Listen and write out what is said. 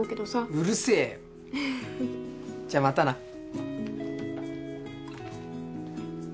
じゃあまたな。